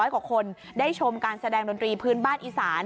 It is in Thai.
กว่าคนได้ชมการแสดงดนตรีพื้นบ้านอีสาน